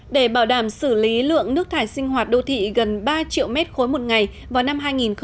để bảo đảm xử lý lượng nước thải sinh hoạt đô thị gần ba triệu mét khối một ngày vào năm hai nghìn hai mươi